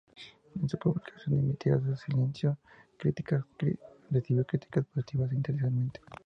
En su publicación, M"entiras de Silencio" recibió críticas positivas internacionalmente.